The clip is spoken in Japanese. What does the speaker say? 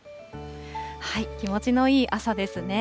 気持ちのいい朝ですね。